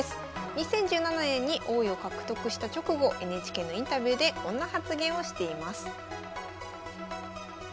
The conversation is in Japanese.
２０１７年に王位を獲得した直後ＮＨＫのインタビューでこんな発言をしています。